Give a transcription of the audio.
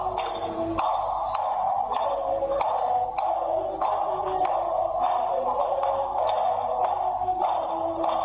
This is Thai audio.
สวัสดีครับ